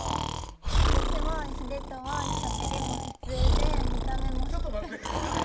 私は秀人はしゃべりも普通で見た目もちょっと待って！